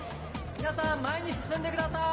皆さん前に進んでください！